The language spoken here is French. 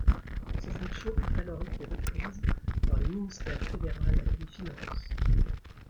Ses fonctions ont alors été reprises par le ministère fédéral des Finances.